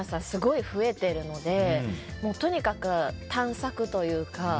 すごい増えてるのでとにかく探索というか。